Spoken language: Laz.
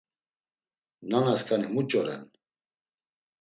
Nanaskani muç̌o ren?